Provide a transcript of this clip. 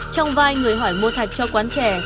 trong vai người hỏi mua thạch cho quán trẻ